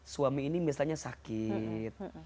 suami ini misalnya sakit